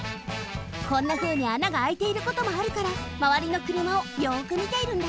こんなふうにあながあいていることもあるからまわりのくるまをよくみているんだって。